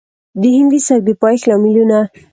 د هندي سبک د پايښت لاملونه